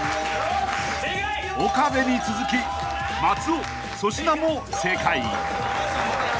［岡部に続き松尾粗品も正解］